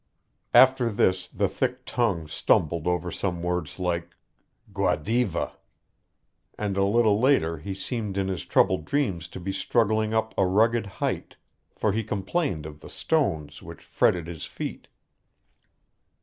After this the thick tongue stumbled over some word like "Guadiva," and a little later he seemed in his troubled dreams to be struggling up a rugged height, for he complained of the stones which fretted his feet.